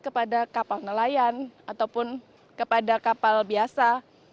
kepada kapal nelayan ataupun kepada kapal biasa